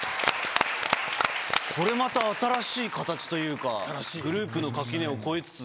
これまた新しい形というか、グループの垣根を越えつつ。